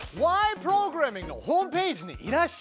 プログラミング」のホームページにいらっしゃい！